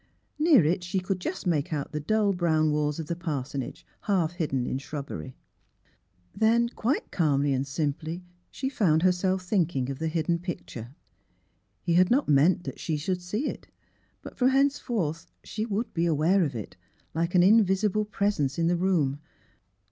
Near it she could just make out the dull brown walls of the parsonage, half hidden in shrubbery. Then, quite calmly and simply, she found her self thinking of the hidden picture. He had not meant she should see it. But from henceforth she would be aware of it, like an invisible presence in the room.